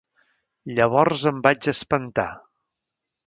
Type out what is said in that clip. Llavors em vaig espantar.